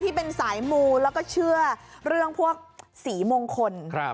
ที่เป็นสายมูแล้วก็เชื่อเรื่องพวกสีมงคล